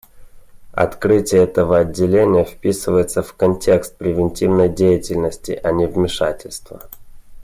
Открытие этого Отделения вписывается в контекст превентивной деятельности, а не вмешательства.